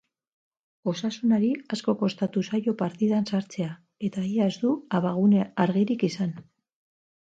Osasunari asko kostatu zaio partidan sartzea eta ia ez du abagune argirik izan.